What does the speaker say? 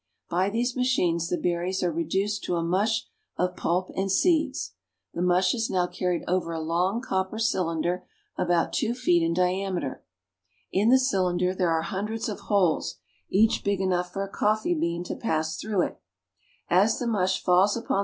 By these machines the berries are reduced to a mush of pulp and seeds. The mush is now carried over a long copper cylinder about two feet in diameter. In the cylinder there are hundreds of holes, each big enough for a coffee bean to pass through it. As the mush falls upon " Most of them are Italians.'